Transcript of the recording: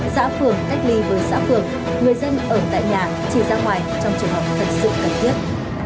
giã phường cách ly với giã phường người dân ở tại nhà chỉ ra ngoài trong trường hợp thực sự cần thiết